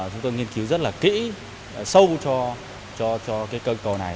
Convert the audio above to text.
chúng tôi nghiên cứu rất là kỹ sâu cho cái cơn cầu này